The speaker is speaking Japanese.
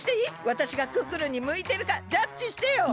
わたしがクックルンにむいてるかジャッジしてよ！